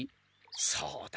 そうだ！